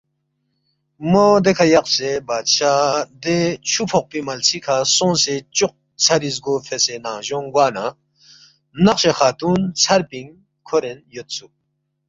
مو دیکھہ یقسے بادشاہ دے چُھو فوقپی ملسی کھہ سونگسے چوق ژھری زگو فیسے ننگجونگ گوا نہ نقشِ خاتون ژھر پِنگ کھورین یودسُوک